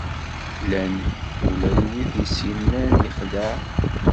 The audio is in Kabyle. Llan ula d wid i s-yennan yexdeε.